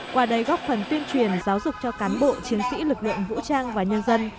qua đây góp phần tuyên truyền giáo dục cho cán bộ chiến sĩ lực lượng vũ trang và nhân dân